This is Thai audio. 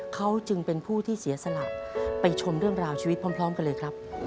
เขาจึงเป็นผู้ที่เสียสละไปชมเรื่องราวชีวิตพร้อมกันเลยครับ